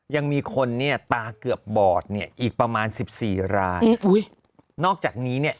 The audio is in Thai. ยังมีคนเนี่ยตาเกือบบอดเนี่ยอีกประมาณสิบสี่รายอุ้ยนอกจากนี้เนี่ย